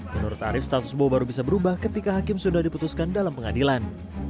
menurut arief status bo baru bisa berubah ketika hakim sudah diputuskan dalam pengadilan